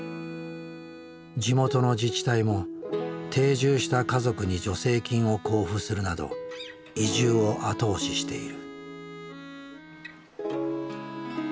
地元の自治体も定住した家族に助成金を交付するなど移住を後押ししている。